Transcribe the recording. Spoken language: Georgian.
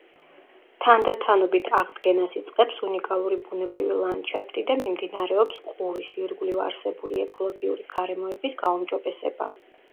თანდათანობით აღდგენას იწყებს უნიკალური ბუნებრივი ლანდშაფტი და მიმდინარეობს ყურის ირგვლივ არსებული ეკოლოგიური გარემოების გაუმჯობესება.